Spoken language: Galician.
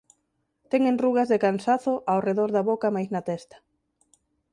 Ten engurras de cansazo ao redor da boca e mais na testa.